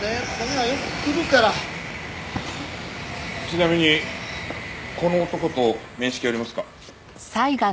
ちなみにこの男と面識ありますか？